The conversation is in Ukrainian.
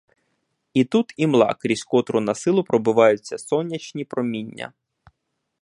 І тут імла, крізь котру насилу пробиваються сонячні проміння.